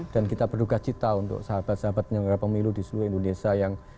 dan kita berduka cita untuk sahabat sahabat pengelola pemilu di seluruh indonesia